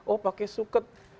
oh pakai suket